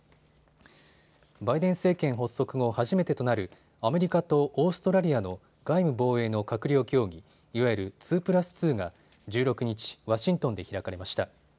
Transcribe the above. バイデン政権発足後、初めてとなるアメリカとオーストラリアの外務・防衛の閣僚協議、いわゆる２プラス２が１６日、ワシントンで開かれました。